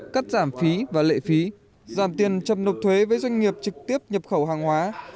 cắt giảm phí và lệ phí giảm tiền chậm nộp thuế với doanh nghiệp trực tiếp nhập khẩu hàng hóa